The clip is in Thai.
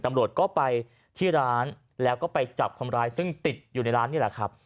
ตำรวจก็ไปที่ร้านแล้วก็ไปจับคนร้ายซึ่งติดอยู่ในร้านนี่แหละครับ